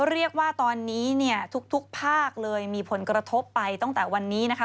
เรียกว่าตอนนี้เนี่ยทุกภาคเลยมีผลกระทบไปตั้งแต่วันนี้นะคะ